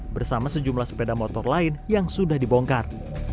bersama sejumlah sepeda motor lain yang sudah dibongkar